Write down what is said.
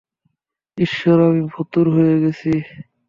ঈশ্বর, আমি ফতুর হয়ে গেছি।